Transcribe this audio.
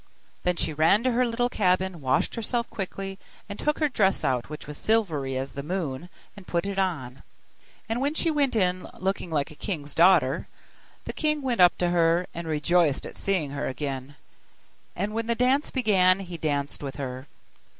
Then she ran to her little cabin, washed herself quickly, and took her dress out which was silvery as the moon, and put it on; and when she went in, looking like a king's daughter, the king went up to her, and rejoiced at seeing her again, and when the dance began he danced with her.